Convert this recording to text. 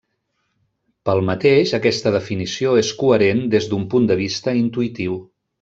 Pel mateix aquesta definició és coherent des d'un punt de vista intuïtiu.